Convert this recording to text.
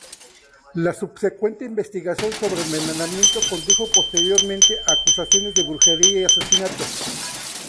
La subsecuente investigación sobre envenenamiento condujo posteriormente a acusaciones de brujería y asesinato.